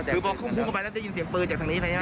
คือพวกเข้าไปแล้วจะยินเสียงปืนจากทางนี้ไหมครับ